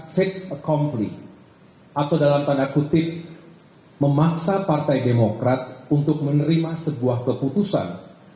fake accomply atau dalam tanda kutip memaksa partai demokrat untuk menerima sebuah keputusan